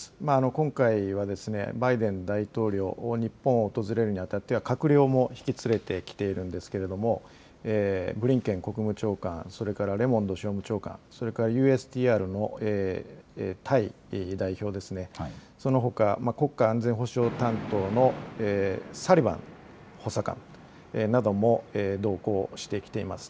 今回はバイデン大統領、日本を訪れるにあたっては閣僚も引き連れてきているんですけれども、ブリンケン国務長官、それからレモンド商務長官、それからＵＳＴＲのタイ代表ですね、そのほか国家安全保障担当のサリバン補佐官なども同行してきています。